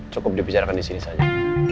cukup dibicarakan disini saja